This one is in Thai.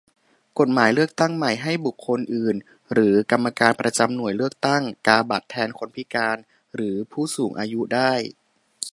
กฎหมายเลือกตั้งใหม่ ให้บุคคลอื่นหรือกรรมการประจำหน่วยเลือกตั้ง กาบัตรแทนคนพิการหรือผู้สูงอายุได้